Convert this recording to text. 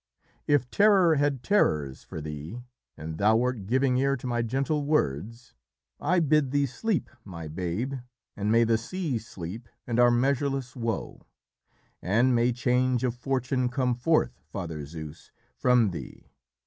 If terror had terrors for thee, and thou wert giving ear to my gentle words I bid thee sleep, my babe, and may the sea sleep and our measureless woe; and may change of fortune come forth, Father Zeus, from thee.